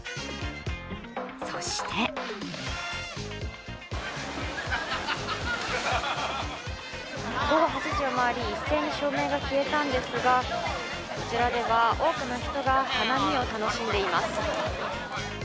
そして午後８時を回り、一斉に照明が消えたんですが、こちらでは多くの人が花見を楽しんでいます。